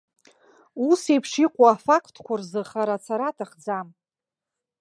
Ус еиԥш иҟоу афактқәа рзы хара ацара аҭахӡам.